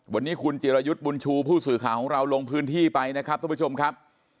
วันนี้คุณจิรยุทธ์บุญชูผู้สื่อข่าวของเราลงพื้นที่ไปนะครับทุกผู้ชมครับ